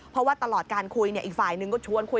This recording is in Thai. เพราะว่าตลอดการคุยอีกฝ่ายหนึ่งก็ชวนคุย